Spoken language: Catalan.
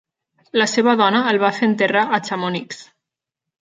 La seva dona el va fer enterrar a Chamonix.